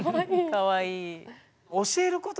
かわいい。